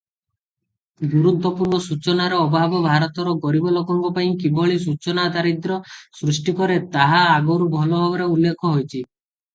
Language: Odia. ଗୁରୁତ୍ୱପୂର୍ଣ୍ଣ ସୂଚନାର ଅଭାବ ଭାରତର ଗରିବ ଲୋକଙ୍କ ପାଇଁ କିଭଳି “ସୂଚନା ଦାରିଦ୍ର୍ୟ” ସୃଷ୍ଟି କରେ ତାହା ଆଗରୁ ଭଲ ଭାବରେ ଉଲ୍ଲେଖ ହୋଇଛି ।